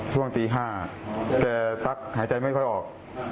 ช่วงตี๕แต่ซักหายใจไม่ค่อยออก